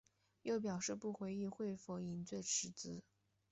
又表示不回应会否引咎辞职。